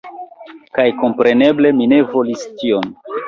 Kaj kompreneble, mi ne volis tion.